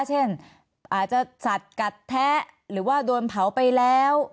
เช่นอาจจะสัตว์กัดแท้หรือว่าโดนเผาไปแล้ว